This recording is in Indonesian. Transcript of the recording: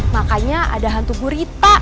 makanya ada hantu gurita